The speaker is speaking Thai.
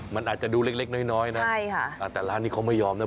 มันอาจจะดูเล็กน้อยนะแต่ร้านนี้เขาไม่ยอมนะ